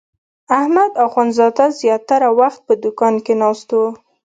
احمد اخوندزاده زیاتره وخت په دوکان کې ناست و.